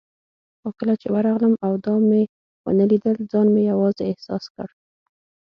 خو کله چې ورغلم او دا مې ونه لیدل، ځان مې یوازې احساس کړ.